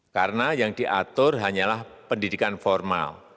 karena yang diatur hanyalah pendidikan formal